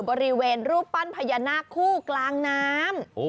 บริเวณรูปปั้นพญานาคคู่กลางน้ำ